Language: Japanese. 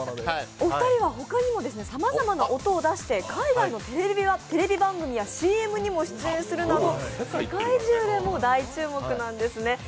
お二人は他にもさまざまな音を出して海外のテレビ番組やＣＭにも出演するなど世界中で大注目なんですね。